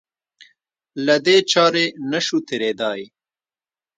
له دې چارې نه شو تېرېدای.